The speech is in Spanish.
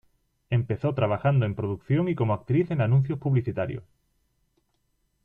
Empezó trabajando en producción y como actriz en anuncios publicitarios.